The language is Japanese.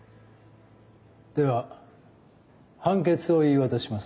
では判決を言い渡します。